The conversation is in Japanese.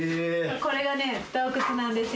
これがね洞窟なんですよ。